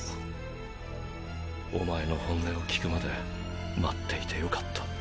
お前の本音を聞くまで待っていてよかった。